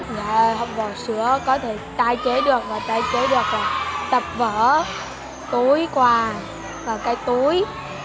giá hộp vỏ sửa có thể tái chế được và tái chế được là tập vỡ túi quà và cái túi